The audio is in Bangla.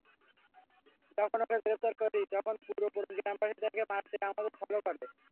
যখন ওকে গ্রেপ্তার করি, তখন পুরো গ্রামবাসী তাকে মারতে আমাদের ফলো করে।